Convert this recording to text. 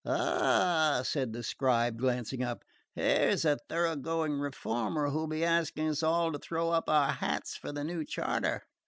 "Ah," said the scribe, glancing up, "here's a thoroughgoing reformer, who'll be asking us all to throw up our hats for the new charter."